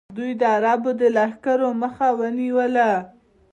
دوی د عربو د لښکرو مخه ونیوله